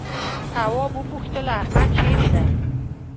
تواب وپوښتل احمد چيرې دی؟